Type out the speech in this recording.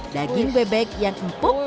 daging bebek yang empuk